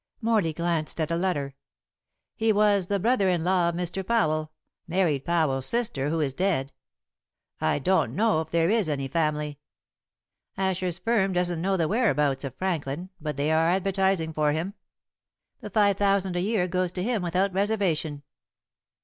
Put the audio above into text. Morley glanced at a letter. "He was the brother in law of Mr. Powell married Powell's sister who is dead. I don't know if there is any family. Asher's firm doesn't know the whereabouts of Franklin, but they are advertising for him. The five thousand a year goes to him without reservation."